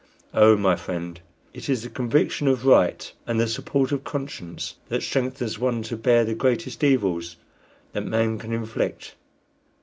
Oh, my friend, it is the conviction of right and the support of conscience that strengthens one to bear the greatest evils that man can inflict."